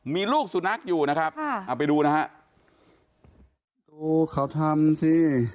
มีลูกสุนัขอยู่นะครับค่ะเอาไปดูนะฮะดูเขาทำสิ